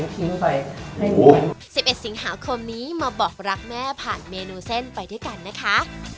๑๑สิงหาคมนี้มาบอกรักแม่ผ่านเมนูเส้นไปด้วยกันนะคะ